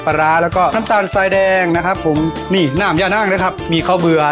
ร้าแล้วก็น้ำตาลทรายแดงนะครับผมนี่น้ำยานั่งนะครับมีข้าวเบื่อ